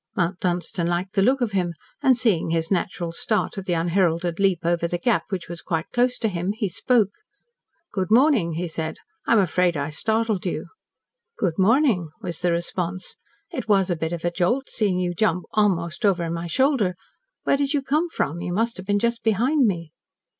Mount Dunstan liked the look of him, and seeing his natural start at the unheralded leap over the gap, which was quite close to him, he spoke. "Good morning," he said. "I am afraid I startled you." "Good morning," was the response. "It was a bit of a jolt seeing you jump almost over my shoulder. Where did you come from? You must have been just behind me."